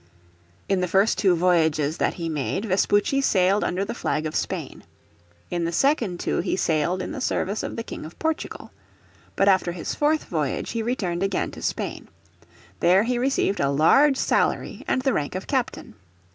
In the first two voyages that he made Vespucci sailed under the flag of Spain. In the second two he sailed in the service of the King of Portugal. But after his fourth voyage he returned again to Spain. There he received a large salary and the rank of captain.